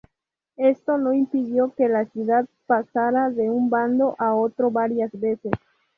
Esto no impidió que la ciudad pasara de un bando al otro varias veces.